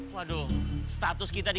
waduh status kita di